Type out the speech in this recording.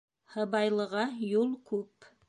Һыбайлыға юл күп.